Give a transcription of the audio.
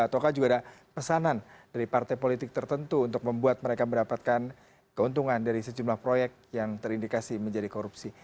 ataukah juga ada pesanan dari partai politik tertentu untuk membuat mereka mendapatkan keuntungan dari sejumlah proyek yang terindikasi menjadi korupsi